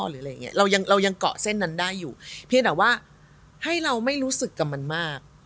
อยู่เรายังเรายังกอกเส้นนั้นได้อยู่แค่แต่ว่าให้เราไม่รู้สึกกับมันมาก